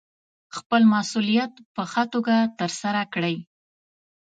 خپل مسوولیت په ښه توګه ترسره کړئ.